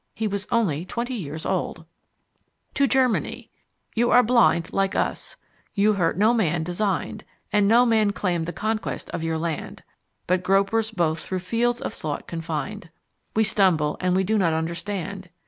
He was only twenty years old TO GERMANY You are blind like us. Your hurt no man designed, And no man claimed the conquest of your land. But gropers both through fields of thought confined We stumble and we do not understand.